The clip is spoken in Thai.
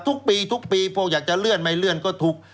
ทุกปีทุกปีพวกอยากจะเลื่อนไม่เลื่อนก็ถูก